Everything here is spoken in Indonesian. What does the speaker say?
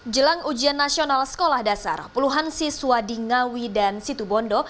jelang ujian nasional sekolah dasar puluhan siswa di ngawi dan situbondo